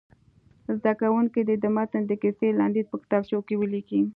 زده کوونکي دې د متن د کیسې لنډیز په کتابچو کې ولیکي.